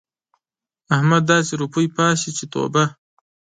احمد داسې روپۍ پاشي چې توبه!